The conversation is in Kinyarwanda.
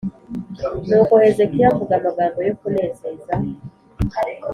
Nuko Hezekiya avuga amagambo yo kunezeza